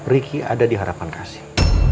riki ada di harapan kasih